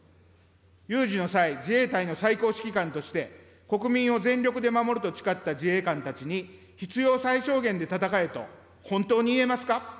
有事の際、自衛隊の最高指揮官として、国民を全力で守ると誓った自衛官たちに、必要最小限で戦えと本当に言えますか。